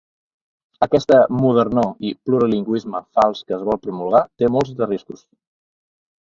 Aquesta “modernor” i “plurilingüisme” fals que es vol promulgar té molts de riscos.